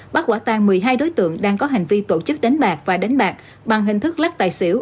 bắt quả tan một mươi hai đối tượng đang có hành vi tổ chức đánh bạc và đánh bạc bằng hình thức lắc tài xỉu